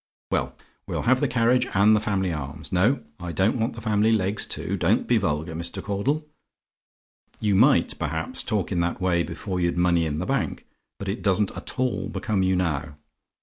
"Well, we'll have the carriage and the family arms? No, I don't want the family legs too. Don't be vulgar, Mr. Caudle. You might, perhaps, talk in that way before you'd money in the Bank; but it doesn't at all become you now.